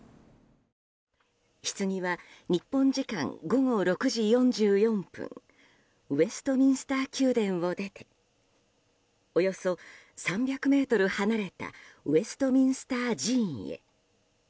ひつぎは日本時間午後６時４４分ウェストミンスター宮殿を出ておよそ３００ｍ離れたウェストミンスター寺院へ。